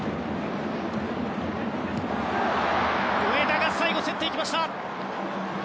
上田が最後は競っていきました。